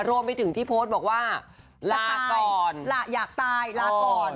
รวมไปถึงที่โพสต์บอกว่าลามาก่อนล่ะอยากตายลาก่อน